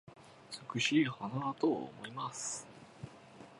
美しい花だと思います